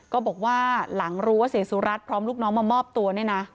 ก็บอกว่าหลังรู้ว่าเสียงสุรัตน์พร้อมลูกน้องมามอบตัวเนี่ยนะ